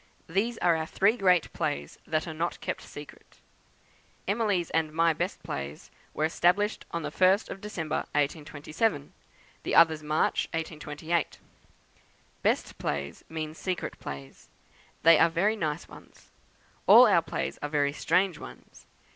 These are our three great plays, that are not kept secret. Emily's and my best plays were established the 1st of December, 1827; the others March, 1828. Best plays mean secret plays; they are very nice ones. All our plays are very strange ones.